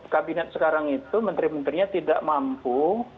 kabinet sekarang itu menteri menterinya tidak mampu